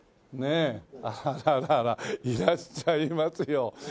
あららいらっしゃいますよ。